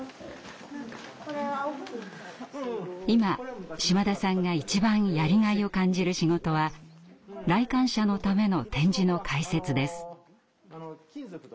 今島田さんが一番やりがいを感じる仕事は来館者のための展示の解説です。